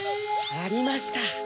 ありました。